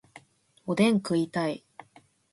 おでん食いたい